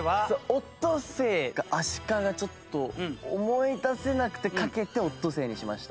オットセイかアシカがちょっと思い出せなくて賭けてオットセイにしました。